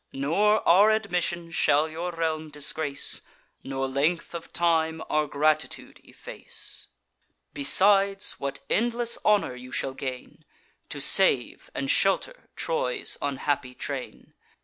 Nor our admission shall your realm disgrace, Nor length of time our gratitude efface. Besides, what endless honour you shall gain, To save and shelter Troy's unhappy train!